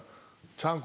ちゃんこ？